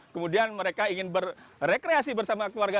kemudian mereka ingin berrekreasi bersama keluarga